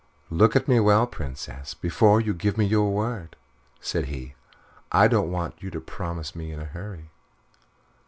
"Look at me well, Princess, before you give me your word," said he. "I don't want you to promise me in a hurry."